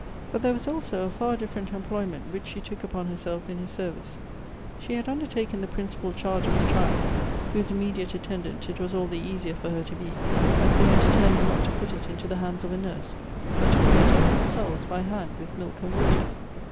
But there was also a far different employment which she took upon herself in his service ; she had undertaken the principal charge of the child, whose immediate attendant it was all the easier for her to be, as they had determined not to put it into the hands of a nurse, but to bring it up themselves by hand with milk and water.